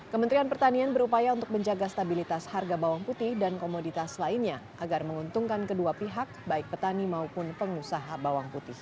kementerian pertanian berupaya untuk menjaga stabilitas harga bawang putih dan komoditas lainnya agar menguntungkan kedua pihak baik petani maupun pengusaha bawang putih